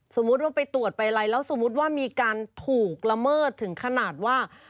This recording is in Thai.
สมมุติว่าไปตรวจไปอะไรแล้วสมมุติว่ามีการถูกละเมิดถึงขนาดว่า